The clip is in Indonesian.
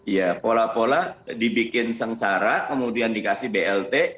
ya pola pola dibikin sengsara kemudian dikasih blt